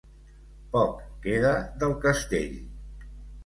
Poc queda del castell.